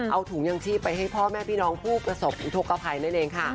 เอาถุงยังชีพไปให้พ่อแม่พี่น้องผู้ประสบอุทธกภัยนั่นเองค่ะ